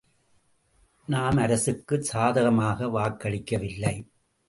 நாம் அரசுக்குச் சாதகமாக வாக்களிக்கவில்லை.